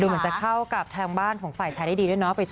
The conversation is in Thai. เหมือนจะเข้ากับทางบ้านของฝ่ายชายได้ดีด้วยเนาะ